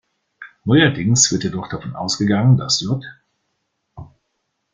Neuerdings wird jedoch davon ausgegangen, dass „J.